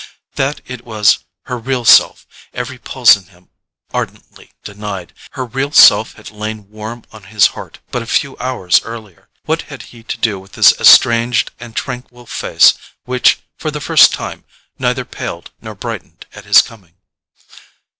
That it was her real self, every pulse in him ardently denied. Her real self had lain warm on his heart but a few hours earlier—what had he to do with this estranged and tranquil face which, for the first time, neither paled nor brightened at his coming?